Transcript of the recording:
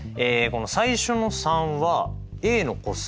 最初の３はＡの個数